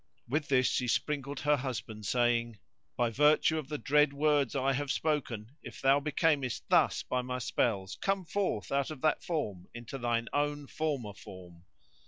With this she sprinkled her husband saying, "By virtue of the dread words I have spoken, if thou becamest thus by my spells, come forth out of that form into thine own former form."